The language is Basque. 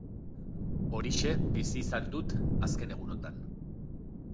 Horixe bizi izan dut azken egunotan.